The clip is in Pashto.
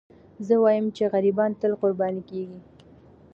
زه وایم چې غریبان تل قرباني کېږي.